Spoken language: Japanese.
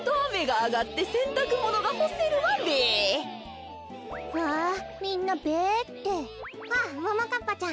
あももかっぱちゃん。